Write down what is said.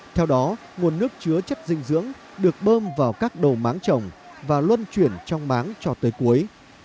theo đó nguồn nước chứa chất dinh dưỡng được bơm vào các đồ máng trồng và luân chuyển trong máng cho tới cuối